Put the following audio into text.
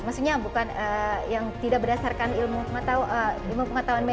maksudnya bukan yang tidak berdasarkan ilmu pengetahuan medis gitu